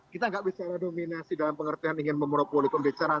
kita tidak bisa dominasi dalam pengertian ingin memulai pembicaraan